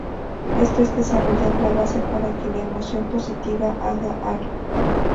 Esto es desarrollar la base para que la emoción positiva haga algo.